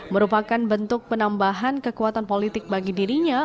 merupakan bentuk penambahan kekuatan politik bagi dirinya